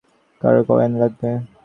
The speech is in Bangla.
কারো কয়েন লাগবে?